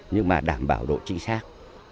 nhưng mà đảm bảo độ trinh sát